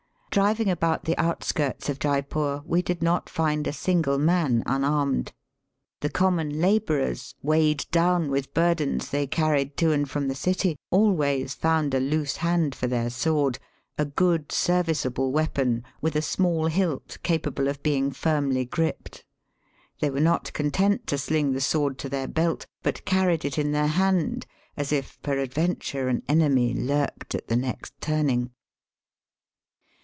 Driving about the outskirts of Jeypore we did not find a single man unarmed. The common labourers^ weighed down with burdens they carried to and from the city, always found a loose hand for their sword, a good serviceable weapon, with a small hilt capable of being firmly gripped. They were not content to sling the sword to their belt, but carried it in their hand as if peradventure an enemy lurked at the next turning.